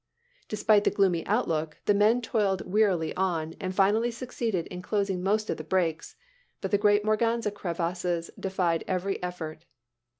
Despite the gloomy outlook, the men toiled wearily on and finally succeeded in closing most of the breaks; but the great Morganza crevasses defied every effort.